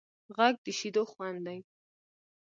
غږ د شیدو خوند دی